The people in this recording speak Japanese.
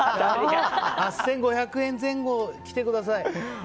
８５００円前後、来てください。